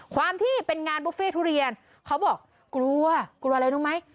ความที่เป็นงานบุฟเฟ่ทุเรียนเขาบอกกลัวกลัวอะไรรู้ไหม